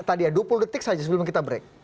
tadi ya dua puluh detik saja sebelum kita break